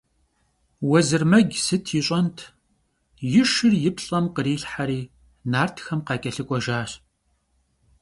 Vuezırmec sıt yiş'ent – yi şşır yi plh'em khrilhheri, nartxem khaç'elhık'uejjaş.